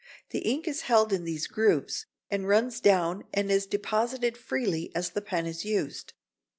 The ink is held in these grooves, and runs down and is deposited freely as the pen is used.